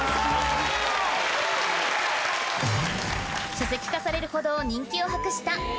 書籍化されるほど人気を博したこちらの企画